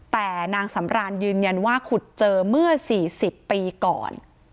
แต่นางสำรานยืนยันว่าขุดเจอเมื่อ๔๐ปีก่อน